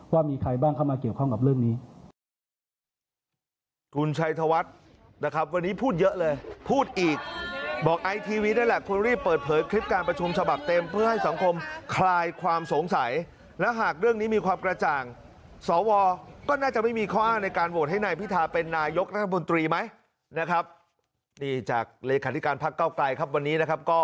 ว่ามีใครบ้างเข้ามาเกี่ยวข้องกับเรื่องนี้